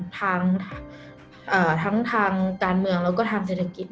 ทั้งทางการเมืองแล้วก็ทางเศรษฐกิจ